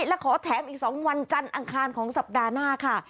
และขอแถมอีก๒วันจันทร์อังคารของสัปดาห์หน้าค่ะ